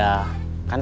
biasanya nyuruh saya